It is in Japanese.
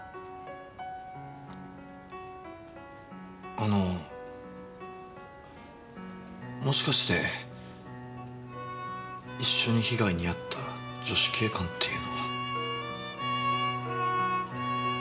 あのもしかして一緒に被害に遭った女子警官っていうのは。